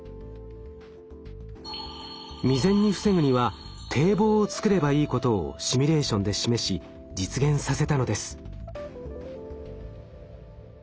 未然に防ぐには堤防を造ればいいことをシミュレーションで示し実現させたのです。